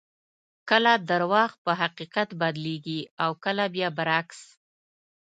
کله درواغ په حقیقت بدلېږي او کله بیا برعکس.